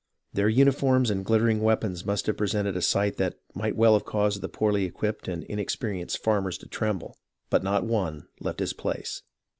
Their uniforms and glittering weapons must have presented a sight that might well have caused the poorly equipped and inexperi enced farmers to tremble, but not one left his place.